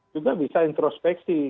juga bisa introspeksi